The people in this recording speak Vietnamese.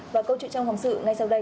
và câu chuyện trong phòng sự ngay sau đây